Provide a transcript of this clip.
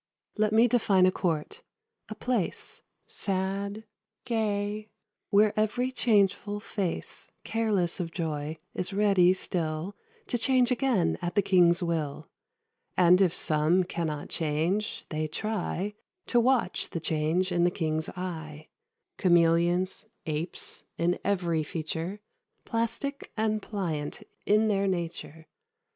Let me define a court: a place Sad gay; where every changeful face, Careless of joy, is ready still To change again at the King's will; And if some cannot change, they try To watch the change in the King's eye: Chameleons, apes, in every feature; Plastic and pliant in their nature.